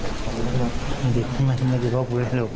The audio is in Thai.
อ่ามันผิดคอกภูมิได้หรือเหรอ